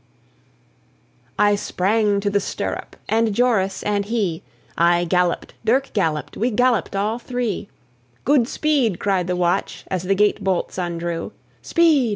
(1812 89.) I sprang to the stirrup, and Joris, and he; I galloped, Dirck galloped, we galloped all three; "Good speed!" cried the watch as the gate bolts undrew; "Speed!"